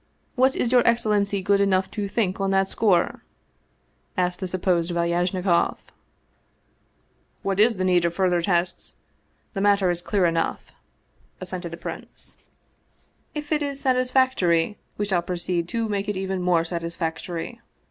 What is your excellency good enough to think on that score ?" asked the supposed Valyajnikoff. " What is the need of further tests ? The matter is clear enough," assented the prince. 234 Vsevolod Vladimir ovitch Krestovski " If it is satisfactory, we shall proceed to make it even more satisfactory.